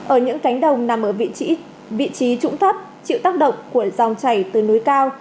ở những cánh đồng nằm ở vị trí trũng thấp chịu tác động của dòng chảy từ núi cao